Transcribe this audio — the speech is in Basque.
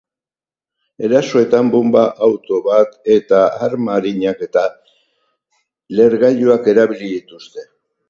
Erasoetan bonba-auto bat era arma arinak eta lehergailuak erabili dituzte.